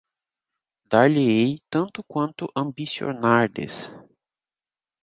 Dar-lhe-ei tanto quanto ambicionardes